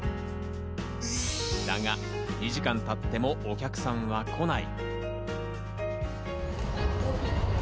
だが２時間たってもお客さんは来ない。